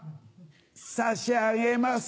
差し上げます